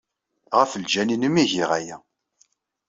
Ɣef lǧal-nnem ay giɣ aya.